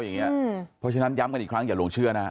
เพราะฉะนั้นย้ำกันอีกครั้งอย่าหลงเชื่อนะฮะ